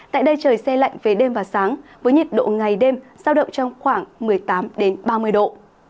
tại đây trời xe lạnh về đêm và sáng với nhiệt độ ngày đêm giao động trong khoảng một mươi tám ba mươi độ